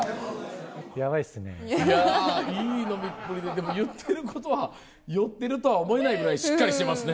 でも言ってることは酔ってるとは思えないぐらいしっかりしてますね。